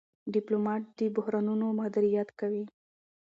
ډيپلومات د بحرانونو مدیریت کوي.